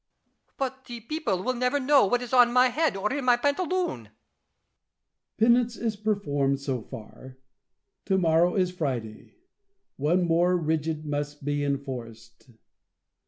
Louis. But the people will never know what is on my head or in my pantaloon. La Chaise. Penance is performed so far : to morrow is Friday ; one more rigid must be enforced.